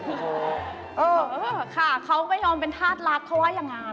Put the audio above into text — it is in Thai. เออค่ะเขาไม่ยอมเป็นธาตุรักเขาว่าอย่างนั้น